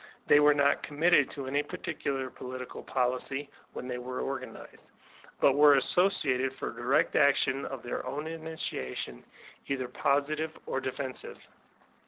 They were not committed to any particular political policy when they were organized, but were as sociated for direct action of their own initiation, either positive or defensive.